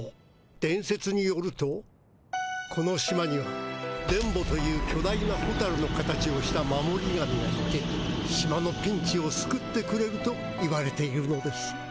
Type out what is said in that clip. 伝説によるとこの島には伝ボという巨大なホタルの形をした守り神がいて島のピンチをすくってくれると言われているのです。